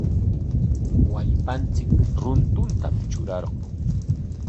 Wallpanchik runtutam trurarqun.